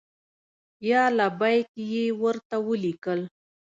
یا لبیک! یې ورته ولیکل.